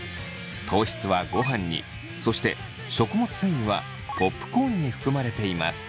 糖質はごはんにそして食物繊維はポップコーンに含まれています。